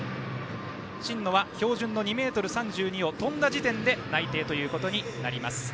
真野は標準の２ｍ３２を跳んだ時点で内定となります。